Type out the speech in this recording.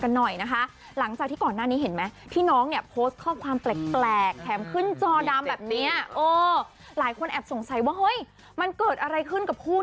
กันหน่อยนะคะหลังจากที่ก่อนหน้านี้เห็นไหมพี่น้องเนี่ยโพสต์ข้อความแปลกแถมขึ้นจอดำแบบเนี้ยเออหลายคนแอบสงสัยว่าเฮ้ยมันเกิดอะไรขึ้นกับผู้